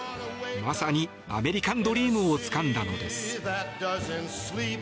まさにアメリカンドリームをつかんだのです。